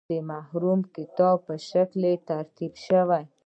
د محرم کتاب په شکل ترتیب شوی.